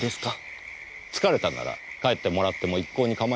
疲れたなら帰ってもらっても一向にかまいませんよ。